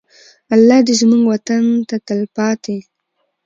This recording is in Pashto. الله دې زموږ وطن ته تلپاته.